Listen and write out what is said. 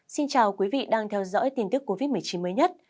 xin chào quý vị đang theo dõi tin tức covid một mươi chín mới nhất